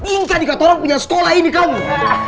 ingka di katarong punya sekolah ini kamu